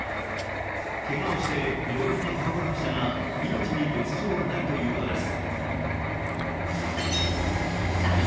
けがをして、病院に運ばれましたが命に別状はないということです。